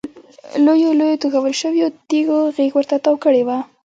لویو لویو توږل شویو تیږو غېږ ورته تاو کړې وه.